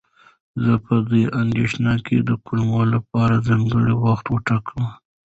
زه به د اندېښنو د کمولو لپاره ځانګړی وخت وټاکم.